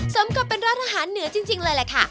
สมกับเป็นร้านอาหารเหนือจริงเลยแหละค่ะ